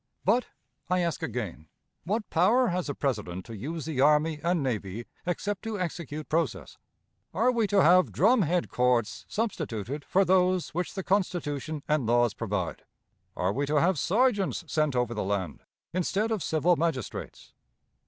But, I ask again, what power has the President to use the army and navy except to execute process? Are we to have drum head courts substituted for those which the Constitution and laws provide? Are we to have sergeants sent over the land instead of civil magistrates?